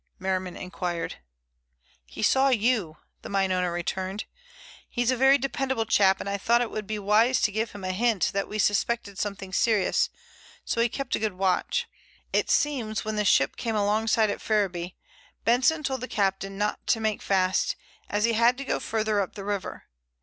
Merriman inquired. "He saw you," the mineowner returned. "He's a very dependable chap, and I thought it would be wise to give him a hint that we suspected something serious, so he kept a good watch. It seems when the ship came alongside at Ferriby, Benson told the captain not to make fast as he had to go further up the river.